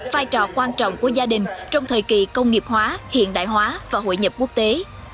vai trò quan trọng của gia đình trong thời kỳ công nghiệp hóa hiện đại hóa và hội nhập quốc tế